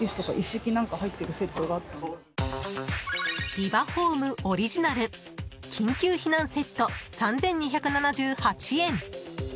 ビバホームオリジナル緊急避難セット、３２７８円。